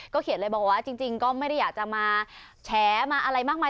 เขียนเลยบอกว่าจริงก็ไม่ได้อยากจะมาแฉมาอะไรมากมาย